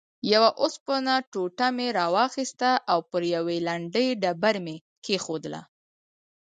یوه اوسپنه ټوټه مې راواخیسته او پر یوې لندې ډبره مې کېښووله.